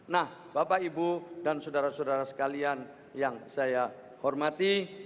nah bapak ibu dan saudara saudara sekalian yang saya hormati